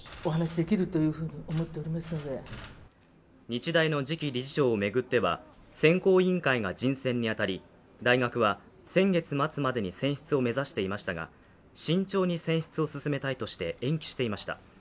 日大の次期理事長を巡っては選考委員会が人選に当たり大学は先月末までに選出を目指していましたが、慎重に選出を進めたいとして延期していました。